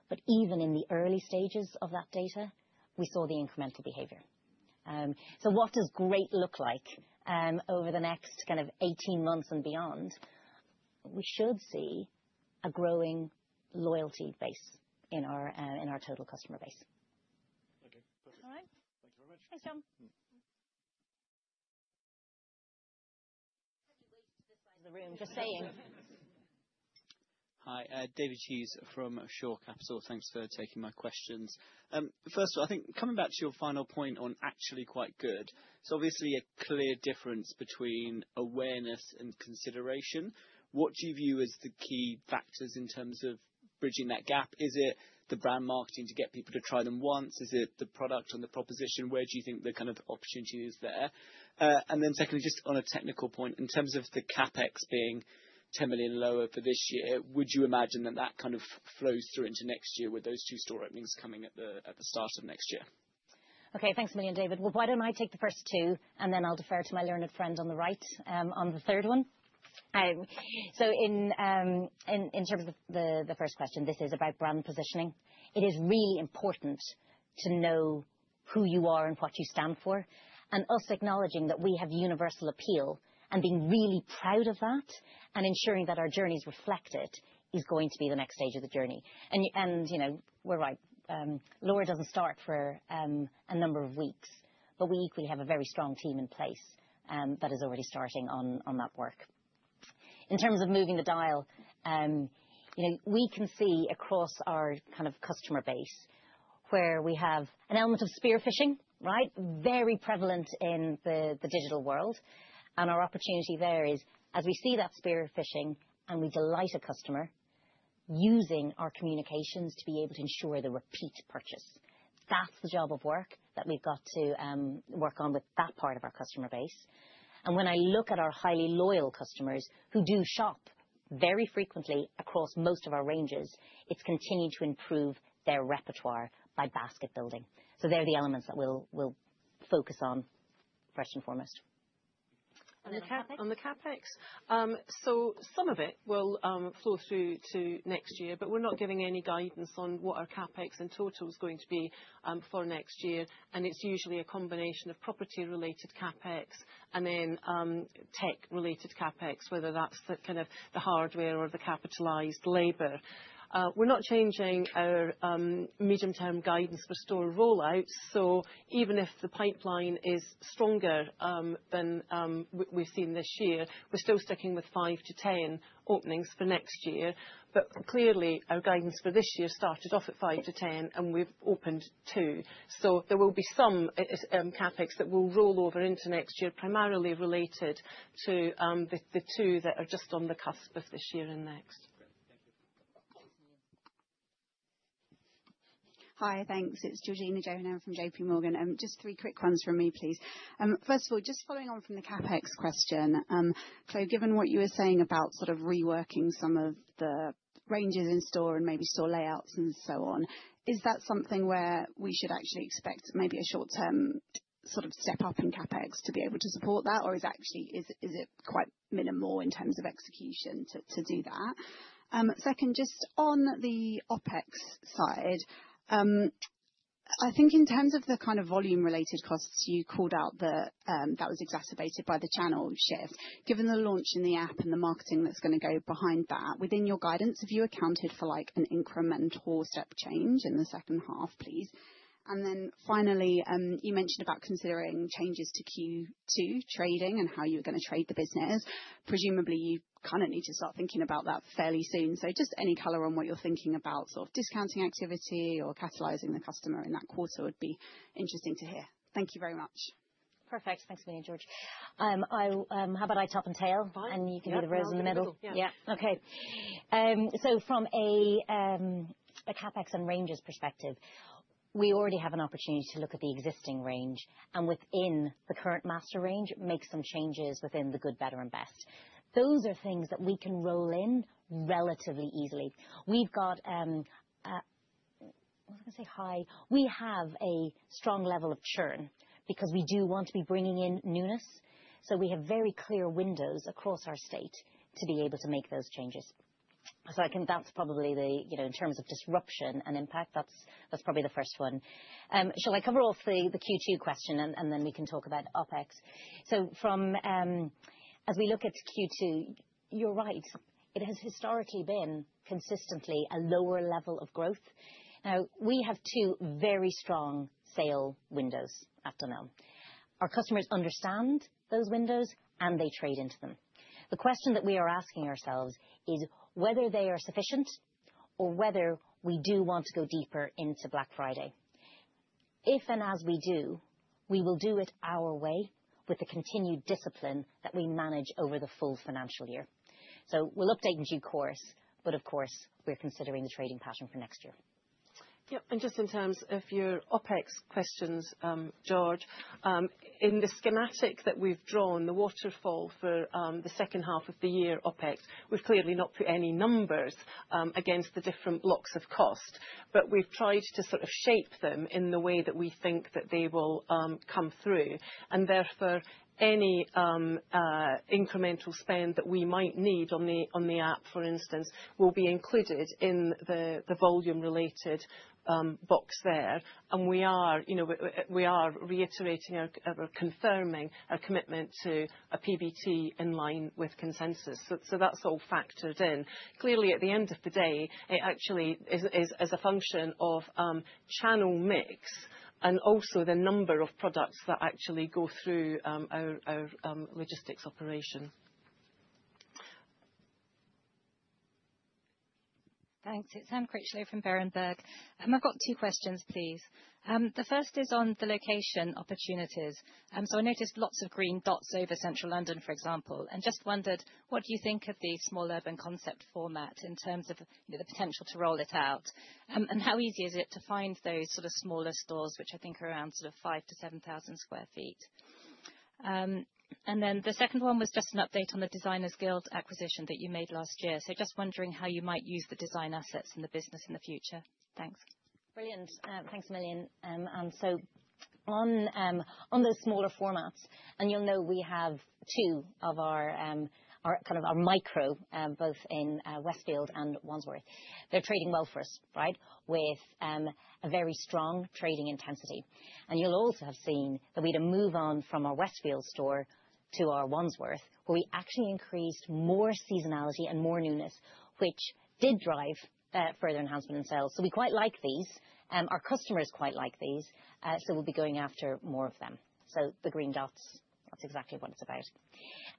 Speaker 1: But even in the early stages of that data, we saw the incremental behavior. So what does great look like, over the next kind of 18 months and beyond? We should see a growing loyalty base in our, in our total customer base.
Speaker 3: Okay. Perfect.
Speaker 1: All right.
Speaker 3: Thank you very much.
Speaker 1: Thanks, Jon. Have you waited to this side of the room just saying?
Speaker 4: Hi. David Hughes from Shore Capital. Thanks for taking my questions. First of all, I think coming back to your final point on actually quite good. So obviously, a clear difference between awareness and consideration. What do you view as the key factors in terms of bridging that gap? Is it the brand marketing to get people to try them once? Is it the product and the proposition? Where do you think the kind of opportunity is there? And then secondly, just on a technical point, in terms of the CapEx being 10 million lower for this year, would you imagine that that kind of flows through into next year with those two store openings coming at the start of next year?
Speaker 1: Okay. Thanks a million, David. Well, why don't I take the first two, and then I'll defer to my learned friend on the right, on the third one? So in terms of the first question, this is about brand positioning. It is really important to know who you are and what you stand for. And us acknowledging that we have universal appeal and being really proud of that and ensuring that our journey's reflected is going to be the next stage of the journey. And you know, we're right. Laura doesn't start for a number of weeks, but we equally have a very strong team in place, that is already starting on that work. In terms of moving the dial, you know, we can see across our kind of customer base where we have an element of spear phishing, right, very prevalent in the digital world. Our opportunity there is, as we see that spear phishing and we delight a customer, using our communications to be able to ensure the repeat purchase. That's the job of work that we've got to work on with that part of our customer base. When I look at our highly loyal customers who do shop very frequently across most of our ranges, it's continued to improve their repertoire by basket building. So they're the elements that we'll focus on first and foremost. The Capex?
Speaker 2: On the CapEx, so some of it will flow through to next year, but we're not giving any guidance on what our CapEx in total's going to be for next year. And it's usually a combination of property-related CapEx and then tech-related CapEx, whether that's the kind of hardware or the capitalized labour. We're not changing our medium-term guidance for store rollouts. So even if the pipeline is stronger than we've seen this year, we're still 5-10 openings for next year. But clearly, our guidance for this year started 5-10, and we've opened two. So there will be some it CapEx that will roll over into next year, primarily related to the two that are just on the cusp of this year and next.
Speaker 4: Great. Thank you.
Speaker 5: Hi. Thanks. It's Georgina Johanan from JPMorgan. Just three quick ones from me, please. First of all, just following on from the CapEx question, Clodagh, given what you were saying about sort of reworking some of the ranges in store and maybe store layouts and so on, is that something where we should actually expect maybe a short-term sort of step-up in CapEx to be able to support that, or is it quite minimal in terms of execution to do that? Second, just on the OpEx side, I think in terms of the kind of volume-related costs, you called out that that was exacerbated by the channel shift. Given the launch in the app and the marketing that's gonna go behind that, within your guidance, have you accounted for, like, an incremental step change in the second half, please? Then finally, you mentioned about considering changes to Q2 trading and how you were gonna trade the business. Presumably, you kind of need to start thinking about that fairly soon. Just any color on what you're thinking about, sort of discounting activity or catalyzing the customer in that quarter would be interesting to hear. Thank you very much.
Speaker 1: Perfect. Thanks a million, Georgina. How about I top and tail?
Speaker 2: Fine.
Speaker 1: You can do the rows in the middle?
Speaker 2: Yeah.
Speaker 1: Yeah. Okay. So from a CapEx and ranges perspective, we already have an opportunity to look at the existing range and within the current master range, make some changes within the good, better, and best. Those are things that we can roll in relatively easily. We've got, what was I gonna say? I have a strong level of churn because we do want to be bringing in newness. So we have very clear windows across our estate to be able to make those changes. So, that's probably the, you know, in terms of disruption and impact, that's, that's probably the first one. Shall I cover off the Q2 question, and then we can talk about OpEx? So, as we look at Q2, you're right. It has historically been consistently a lower level of growth. Now, we have two very strong sale windows at Dunelm. Our customers understand those windows, and they trade into them. The question that we are asking ourselves is whether they are sufficient or whether we do want to go deeper into Black Friday. If and as we do, we will do it our way with the continued discipline that we manage over the full financial year. So we'll update in due course, but of course, we're considering the trading pattern for next year.
Speaker 2: Yep. And just in terms of your OpEx questions, Georgina, in the schematic that we've drawn, the waterfall for the second half of the year OpEx, we've clearly not put any numbers against the different blocks of cost, but we've tried to sort of shape them in the way that we think that they will come through. Therefore, any incremental spend that we might need on the app, for instance, will be included in the volume-related box there. We are, you know, we are reiterating our confirming our commitment to a PBT in line with consensus. That's all factored in. Clearly, at the end of the day, it actually is as a function of channel mix and also the number of products that actually go through our logistics operation.
Speaker 6: Thanks. It's Anne Critchlow from Berenberg. I've got two questions, please. The first is on the location opportunities. So I noticed lots of green dots over Central London, for example, and just wondered, what do you think of the small urban concept format in terms of, you know, the potential to roll it out? And how easy is it to find those sort of smaller stores, which I think are around sort of 5,000 sq ft-7,000 sq ft? And then the second one was just an update on the Designers Guild acquisition that you made last year. So just wondering how you might use the design assets in the business in the future. Thanks.
Speaker 1: Brilliant. Thanks a million. And so on, on those smaller formats and you'll know we have two of our, our kind of our micro, both in Westfield and Wandsworth. They're trading well for us, right, with a very strong trading intensity. And you'll also have seen that we'd have moved on from our Westfield store to our Wandsworth, where we actually increased more seasonality and more newness, which did drive further enhancement in sales. So we quite like these. Our customers quite like these. So we'll be going after more of them. So the green dots, that's exactly what it's about.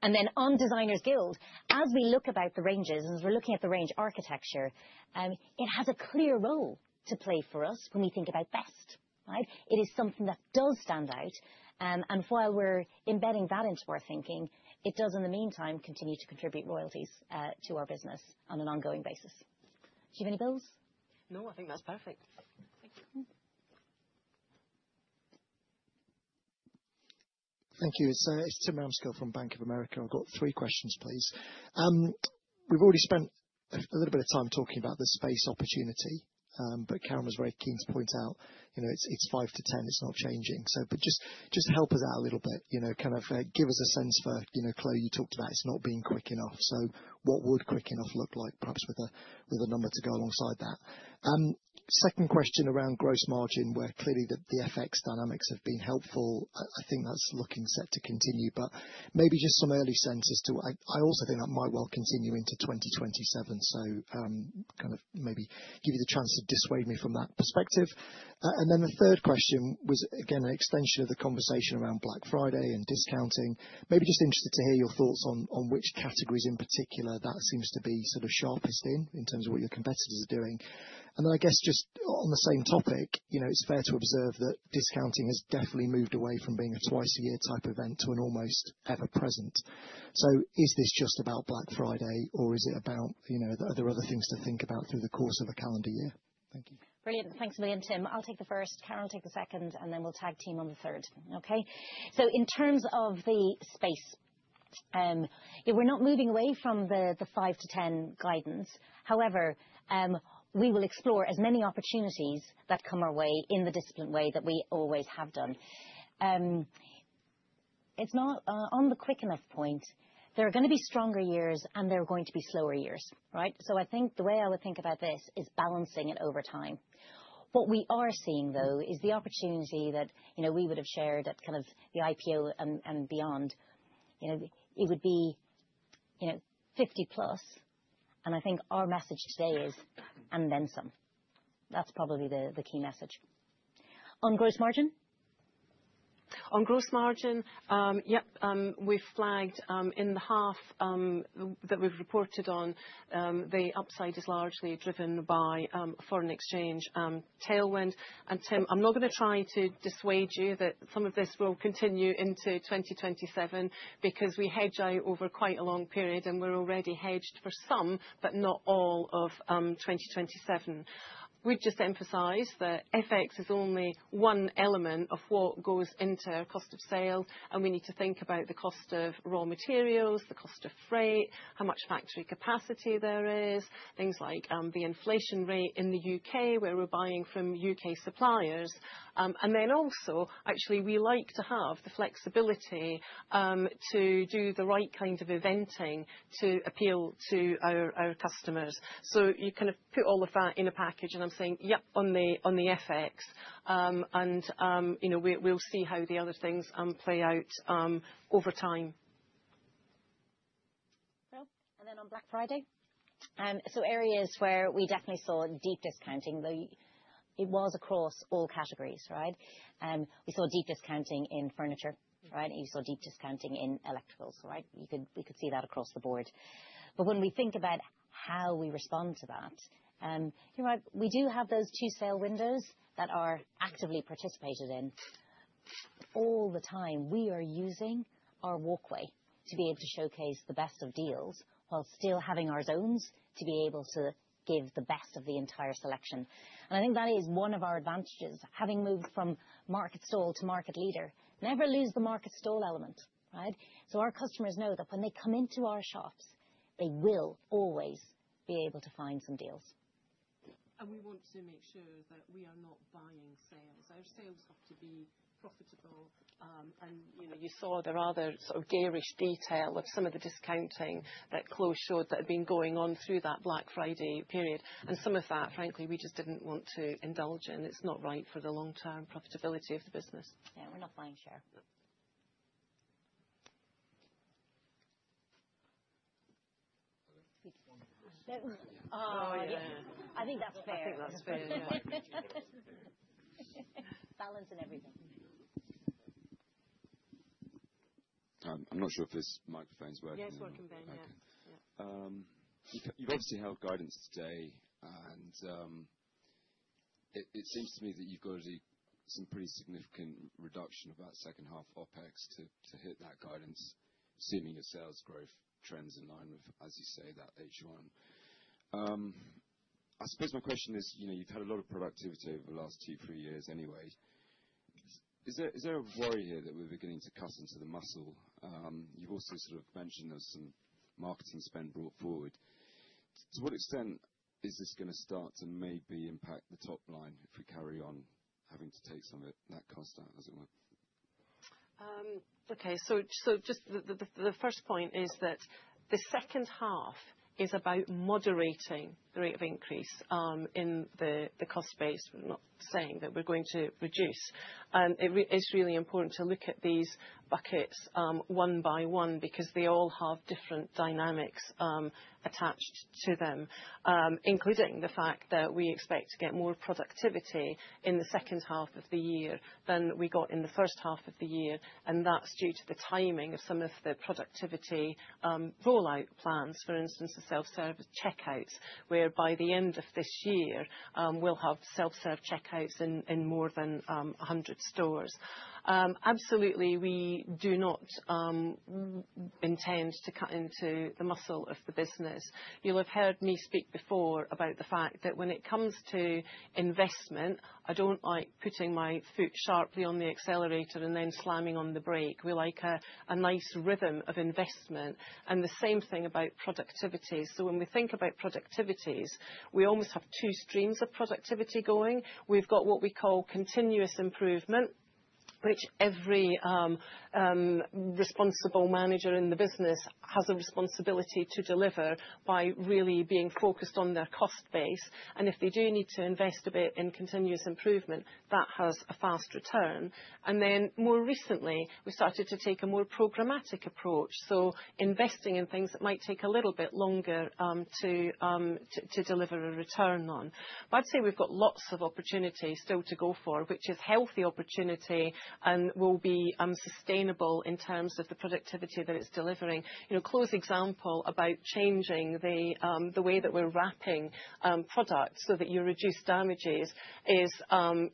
Speaker 1: And then on Designers Guild, as we look about the ranges and as we're looking at the range architecture, it has a clear role to play for us when we think about best, right? It is something that does stand out. While we're embedding that into our thinking, it does, in the meantime, continue to contribute royalties to our business on an ongoing basis. Do you have anything else?
Speaker 6: No. I think that's perfect.
Speaker 7: Thank you. It's Tim Ramskill from Bank of America. I've got three questions, please. We've already spent a little bit of time talking about the space opportunity, but Karen was very keen to point out, you 5-10. it's not changing. So but just help us out a little bit, you know, kind of, give us a sense for you know, Clodagh, you talked about it's not being quick enough. So what would quick enough look like, perhaps with a number to go alongside that? Second question around gross margin, where clearly the FX dynamics have been helpful. I think that's looking set to continue, but maybe just some early signs too. I also think that might well continue into 2027. So, kind of maybe give you the chance to dissuade me from that perspective. Then the third question was, again, an extension of the conversation around Black Friday and discounting. Maybe just interested to hear your thoughts on which categories in particular that seems to be sort of sharpest in, in terms of what your competitors are doing. And then I guess just on the same topic, you know, it's fair to observe that discounting has definitely moved away from being a twice-a-year type event to an almost ever-present. So is this just about Black Friday, or is it about, you know, are there other things to think about through the course of a calendar year? Thank you.
Speaker 1: Brilliant. Thanks a million, Tim. I'll take the first. Karen will take the second, and then we'll tag team on the third, okay? So in terms of the space, you know, we're not moving away the 5-10 guidance. However, we will explore as many opportunities that come our way in the disciplined way that we always have done. It's not on the quick enough point, there are gonna be stronger years, and there are going to be slower years, right? So I think the way I would think about this is balancing it over time. What we are seeing, though, is the opportunity that, you know, we would have shared at kind of the IPO and beyond. You know, it would be 50+. And I think our message today is, and then some. That's probably the key message. On gross margin?
Speaker 2: On gross margin, yep. We've flagged, in the half, that we've reported on, the upside is largely driven by, foreign exchange, tailwind. And Tim, I'm not gonna try to dissuade you that some of this will continue into 2027 because we hedge out over quite a long period, and we're already hedged for some, but not all of, 2027. We'd just emphasize that FX is only one element of what goes into our cost of sales, and we need to think about the cost of raw materials, the cost of freight, how much factory capacity there is, things like, the inflation rate in the U.K., where we're buying from U.K. suppliers. And then also, actually, we like to have the flexibility, to do the right kind of eventing to appeal to our, our customers. So you kind of put all of that in a package, and I'm saying, yep, on the FX. And, you know, we'll see how the other things play out over time.
Speaker 1: Brilliant. And then on Black Friday, so areas where we definitely saw deep discounting, though it was across all categories, right? We saw deep discounting in furniture, right? You saw deep discounting in electricals, right? We could see that across the board. But when we think about how we respond to that, you're right. We do have those two sale windows that are actively participated in all the time. We are using our walkway to be able to showcase the best of deals while still having our zones to be able to give the best of the entire selection. And I think that is one of our advantages, having moved from market stall to market leader. Never lose the market stall element, right? So our customers know that when they come into our shops, they will always be able to find some deals.
Speaker 2: We want to make sure that we are not buying sales. Our sales have to be profitable, and you know, you saw the rather sort of garish detail of some of the discounting that Clodagh showed that had been going on through that Black Friday period. Some of that, frankly, we just didn't want to indulge in. It's not right for the long-term profitability of the business.
Speaker 1: Yeah. We're not buying share. Please.
Speaker 2: Oh, yeah.
Speaker 1: I think that's fair.
Speaker 2: I think that's fair. Yeah. Balance and everything.
Speaker 8: I'm not sure if this microphone's working.
Speaker 2: Yeah. It's working, Ben. Yeah.
Speaker 8: Okay. You've obviously held guidance today, and it seems to me that you've got some pretty significant reduction of that second half OpEx to hit that guidance, assuming your sales growth trends in line with, as you say, that H1. I suppose my question is, you know, you've had a lot of productivity over the last two, three years anyway. Is there a worry here that we're beginning to cut into the muscle? You've also sort of mentioned there was some marketing spend brought forward. To what extent is this gonna start to maybe impact the top line if we carry on having to take some of that cost out, as it were?
Speaker 2: Okay. So just the first point is that the second half is about moderating the rate of increase in the cost base. We're not saying that we're going to reduce it. It's really important to look at these buckets one by one because they all have different dynamics attached to them, including the fact that we expect to get more productivity in the second half of the year than we got in the first half of the year. That's due to the timing of some of the productivity rollout plans, for instance, the self-service checkouts, where by the end of this year, we'll have self-serve checkouts in more than 100 stores. Absolutely, we do not intend to cut into the muscle of the business. You'll have heard me speak before about the fact that when it comes to investment, I don't like putting my foot sharply on the accelerator and then slamming on the brake. We like a nice rhythm of investment. And the same thing about productivity. So when we think about productivity, we almost have two streams of productivity going. We've got what we call continuous improvement, which every responsible manager in the business has a responsibility to deliver by really being focused on their cost base. And if they do need to invest a bit in continuous improvement, that has a fast return. And then more recently, we've started to take a more programmatic approach, so investing in things that might take a little bit longer to deliver a return on. But I'd say we've got lots of opportunity still to go for, which is healthy opportunity and will be sustainable in terms of the productivity that it's delivering. You know, Clo's example about changing the way that we're wrapping products so that you reduce damages is,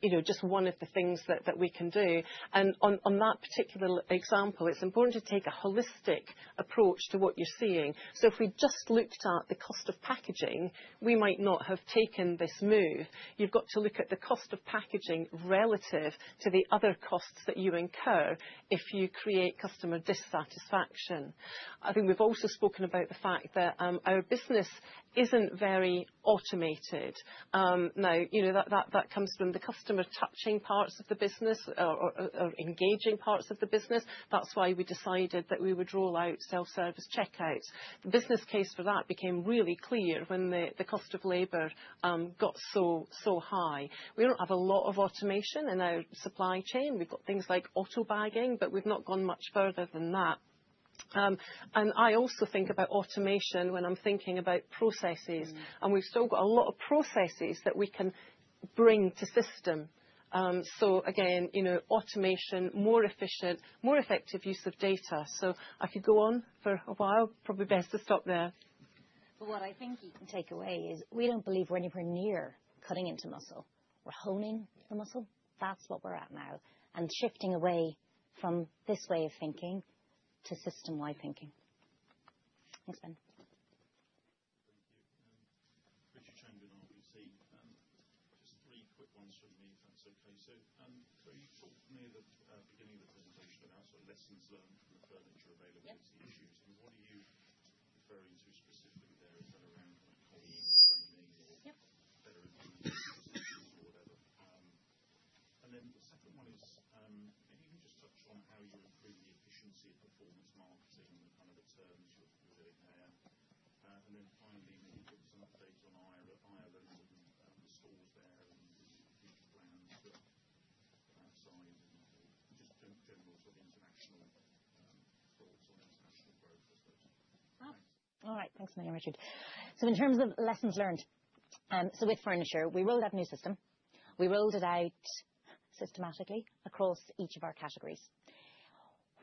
Speaker 2: you know, just one of the things that we can do. And on that particular example, it's important to take a holistic approach to what you're seeing. So if we just looked at the cost of packaging, we might not have taken this move. You've got to look at the cost of packaging relative to the other costs that you incur if you create customer dissatisfaction. I think we've also spoken about the fact that our business isn't very automated. Now, you know, that comes from the customer touching parts of the business or engaging parts of the business. That's why we decided that we would roll out self-service checkouts. The business case for that became really clear when the cost of labor got so high. We don't have a lot of automation in our supply chain. We've got things like autobagging, but we've not gone much further than that. I also think about automation when I'm thinking about processes. We've still got a lot of processes that we can bring to system. Again, you know, automation, more efficient, more effective use of data. So I could go on for a while. Probably best to stop there.
Speaker 1: What I think you can take away is we don't believe we're anywhere near cutting into muscle. We're honing the muscle. That's what we're at now, and shifting away from this way of thinking to system-wide thinking.
Speaker 2: Thanks, Ben.
Speaker 9: Thank you. Richard Chamberlain, RBC. Just three quick ones from me, if that's okay. So, Clodagh, you talked near the beginning of the presentation about sort of lessons learned from the furniture availability issues. And what are you referring to specifically there? Is that around kind of quality of training or better information for sessions or whatever? And then the second one is, maybe you can just touch on how you're improving the efficiency of performance marketing and the kind of returns you're getting there. And then finally, maybe put some updates on Ireland and the stores there and the future plans for that side and just general sort of international thoughts on international growth, I suppose.
Speaker 1: All right. Thanks. Morning, Richard. So in terms of lessons learned, so with furniture, we rolled out a new system. We rolled it out systematically across each of our categories.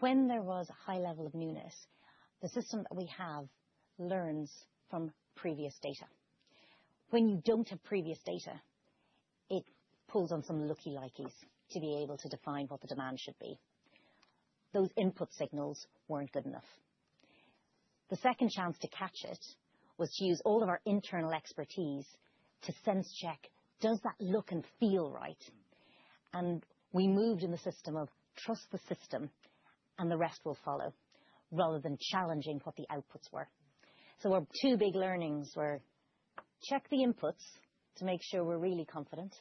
Speaker 1: When there was a high level of newness, the system that we have learns from previous data. When you don't have previous data, it pulls on some look-alikes to be able to define what the demand should be. Those input signals weren't good enough. The second chance to catch it was to use all of our internal expertise to sense-check, does that look and feel right? And we moved in the system of, "Trust the system, and the rest will follow," rather than challenging what the outputs were. So our two big learnings were check the inputs to make sure we're really confident,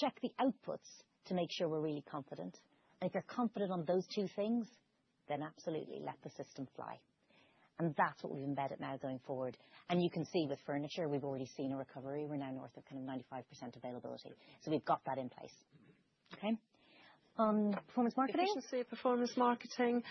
Speaker 1: check the outputs to make sure we're really confident. And if you're confident on those two things, then absolutely let the system fly. And that's what we've embedded now going forward. And you can see with furniture, we've already seen a recovery. We're now north of kind of 95% availability. So we've got that in place, okay? On performance marketing?
Speaker 2: Efficiency of performance marketing.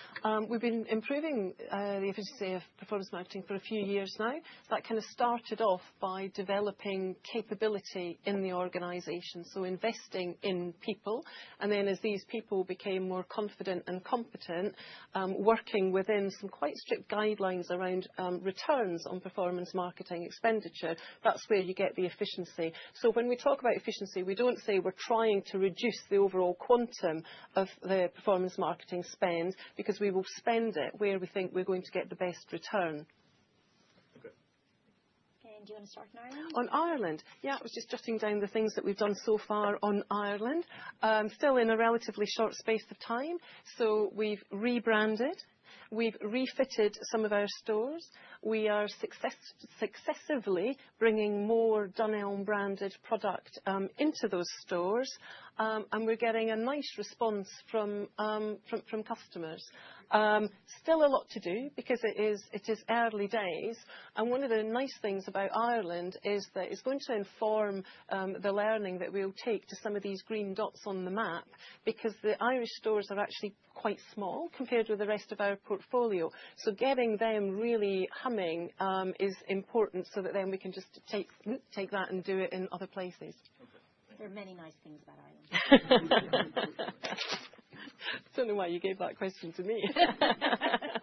Speaker 2: We've been improving the efficiency of performance marketing for a few years now. So that kind of started off by developing capability in the organization, so investing in people. And then as these people became more confident and competent, working within some quite strict guidelines around returns on performance marketing expenditure, that's where you get the efficiency. So when we talk about efficiency, we don't say we're trying to reduce the overall quantum of the performance marketing spend because we will spend it where we think we're going to get the best return.
Speaker 9: Okay.
Speaker 1: Do you wanna start on Ireland?
Speaker 2: On Ireland? Yeah. I was just jotting down the things that we've done so far on Ireland, still in a relatively short space of time. So we've rebranded. We've refitted some of our stores. We are successively bringing more Dunelm-branded product into those stores, and we're getting a nice response from customers. Still a lot to do because it is early days. And one of the nice things about Ireland is that it's going to inform the learning that we'll take to some of these green dots on the map because the Irish stores are actually quite small compared with the rest of our portfolio. So getting them really humming is important so that then we can just take that and do it in other places.
Speaker 1: There are many nice things about Ireland.
Speaker 2: I don't know why you gave that question to me.
Speaker 10: Thanks.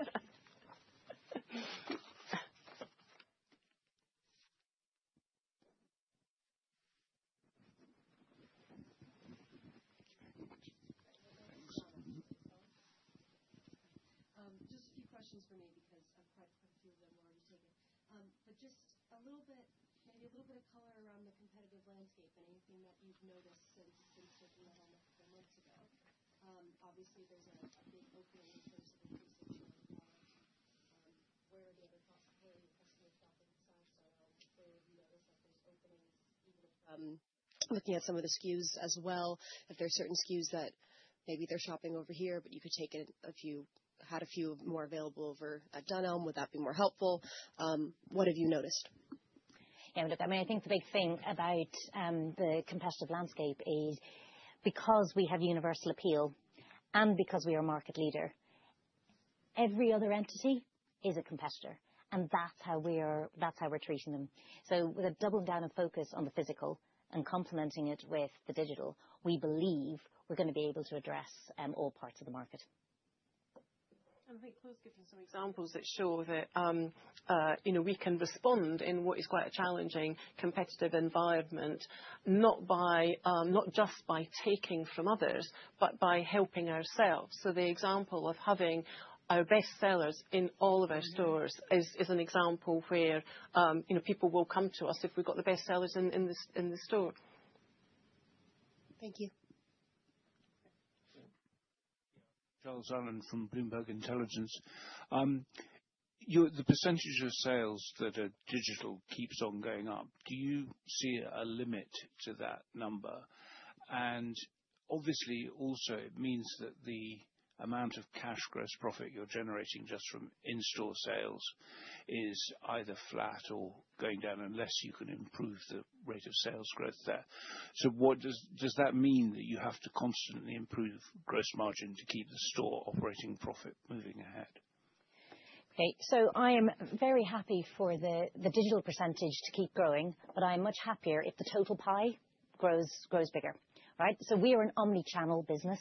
Speaker 10: Just a few questions for me because quite a few of them were already taken. But just a little bit maybe a little bit of color around the competitive landscape and anything that you've noticed since, since taking that home a couple of months ago. Obviously, there's a, a big opening in terms of increasing share of product. Where are the other thoughts? Hopefully, customers shopping besides Dunelm, they would notice that there's openings even if they're looking at some of the SKUs as well, if there are certain SKUs that maybe they're shopping over here, but you could take it a few had a few more available over at Dunelm, would that be more helpful? What have you noticed?
Speaker 2: Yeah. I mean, look, I mean, I think the big thing about the competitive landscape is because we have universal appeal and because we are a market leader, every other entity is a competitor. And that's how we are, that's how we're treating them. So with a doubling down of focus on the physical and complementing it with the digital, we believe we're gonna be able to address all parts of the market. I think Clodagh's given some examples that show that, you know, we can respond in what is quite a challenging competitive environment not by, not just by taking from others, but by helping ourselves. So the example of having our best sellers in all of our stores is an example where, you know, people will come to us if we've got the best sellers in this, in the store.
Speaker 10: Thank you.
Speaker 11: You the percentage of sales that are digital keeps on going up. Do you see a limit to that number? And obviously, also, it means that the amount of cash gross profit you're generating just from in-store sales is either flat or going down unless you can improve the rate of sales growth there. So what does that mean that you have to constantly improve gross margin to keep the store operating profit moving ahead?
Speaker 1: Okay. So I am very happy for the digital percentage to keep growing, but I am much happier if the total pie grows, grows bigger, right? So we are an omnichannel business,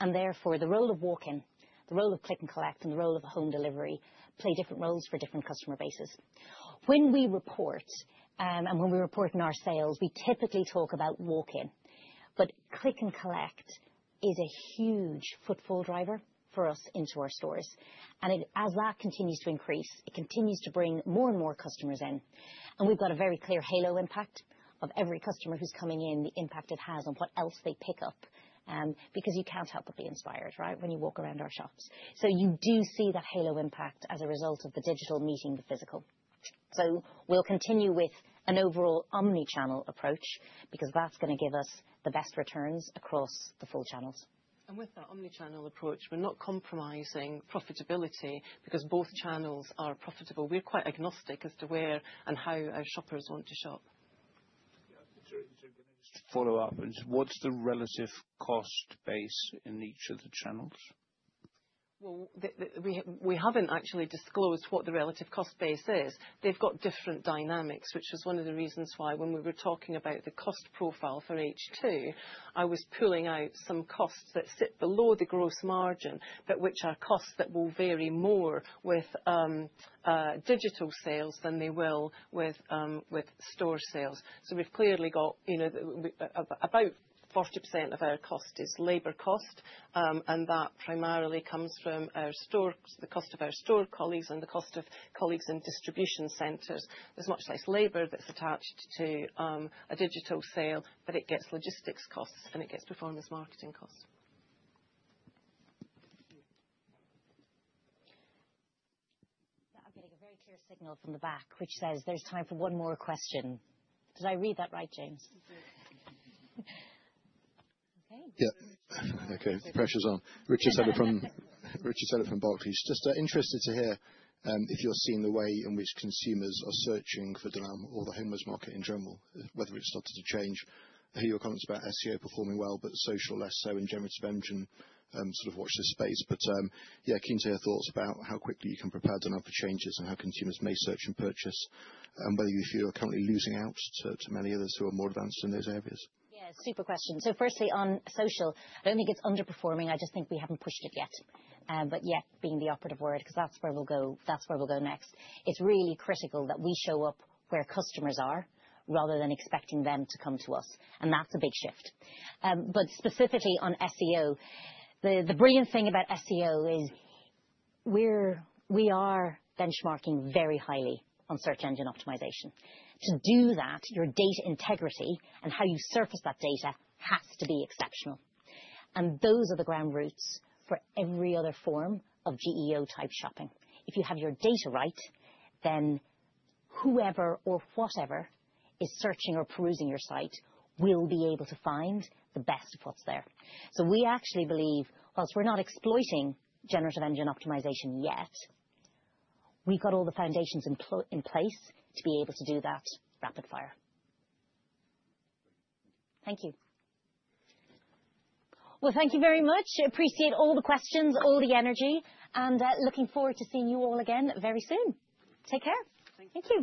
Speaker 1: and therefore, the role of walk-in, the role of Click & Collect, and the role of home delivery play different roles for different customer bases. When we report, and when we report in our sales, we typically talk about walk-in. But Click & Collect is a huge footfall driver for us into our stores. And as that continues to increase, it continues to bring more and more customers in. And we've got a very clear halo impact of every customer who's coming in, the impact it has on what else they pick up, because you can't help but be inspired, right, when you walk around our shops. So you do see that halo impact as a result of the digital meeting the physical. So we'll continue with an overall omnichannel approach because that's gonna give us the best returns across the full channels.
Speaker 2: With that omnichannel approach, we're not compromising profitability because both channels are profitable. We're quite agnostic as to where and how our shoppers want to shop.
Speaker 9: Yeah. Richard, Richard, can you just follow up? What's the relative cost base in each of the channels?
Speaker 2: Well, we haven't actually disclosed what the relative cost base is. They've got different dynamics, which was one of the reasons why when we were talking about the cost profile for H2, I was pulling out some costs that sit below the gross margin but which are costs that will vary more with digital sales than they will with store sales. So we've clearly got, you know, about 40% of our cost is labor cost, and that primarily comes from our stores, the cost of our store colleagues and the cost of colleagues in distribution centers. There's much less labor that's attached to a digital sale, but it gets logistics costs, and it gets performance marketing costs.
Speaker 1: Yeah. I'm getting a very clear signal from the back, which says there's time for one more question. Did I read that right, James?
Speaker 12: Yeah. Okay. The pressure's on. Richard Taylor from Barclays. Just interested to hear if you're seeing the way in which consumers are searching for Dunelm or the homewares market in general, whether it's started to change. I hear your comments about SEO performing well but social less so and generative engine, sort of watch this space. But yeah, keen to hear thoughts about how quickly you can prepare Dunelm for changes and how consumers may search and purchase, whether you feel you're currently losing out to many others who are more advanced in those areas.
Speaker 1: Yeah. Super question. So firstly, on social, I don't think it's underperforming. I just think we haven't pushed it yet. But yet, being the operative word 'cause that's where we'll go that's where we'll go next, it's really critical that we show up where customers are rather than expecting them to come to us. And that's a big shift. But specifically on SEO, the brilliant thing about SEO is we are benchmarking very highly on search engine optimization. To do that, your data integrity and how you surface that data has to be exceptional. And those are the ground roots for every other form of GEO-type shopping. If you have your data right, then whoever or whatever is searching or perusing your site will be able to find the best of what's there. We actually believe, while we're not exploiting generative engine optimization yet, we've got all the foundations in place to be able to do that rapid fire.
Speaker 12: Great. Thank you.
Speaker 1: Thank you. Well, thank you very much. Appreciate all the questions, all the energy, and looking forward to seeing you all again very soon. Take care.
Speaker 2: Thank you.
Speaker 1: Thank you.